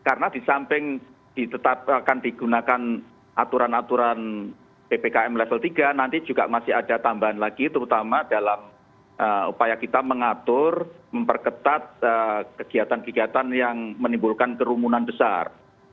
karena di samping akan digunakan aturan aturan ppkm level tiga nanti juga masih ada tambahan lagi terutama dalam upaya kita mengatur memperketat kegiatan kegiatan yang menimbulkan kerumunan besar